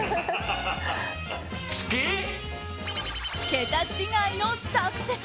桁違いのサクセス！